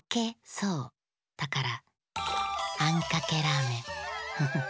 だから「あんかけラーメン」フッ。